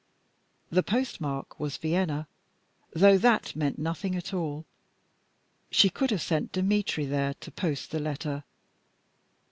The postmark was Vienna though that meant nothing at all; she could have sent Dmitry there to post the letter.